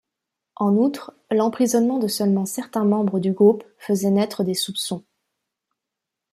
En outre, l'emprisonnement de seulement certains membres du groupe faisait naître des soupçons.